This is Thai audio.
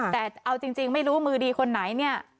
แต่เอาจริงไม่รู้มือดีคนไหนเนี่ย